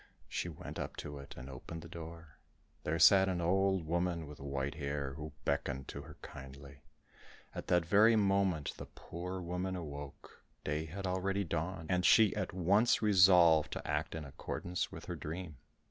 She went up to it and opened the door; there sat an old woman with white hair, who beckoned to her kindly. At that very moment, the poor woman awoke, day had already dawned, and she at once resolved to act in accordance with her dream.